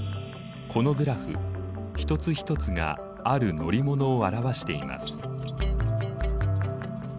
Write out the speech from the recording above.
このグラフ一つ一つがある乗り物を表しています。